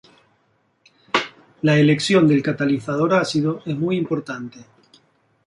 La elección del catalizador ácido es muy importante.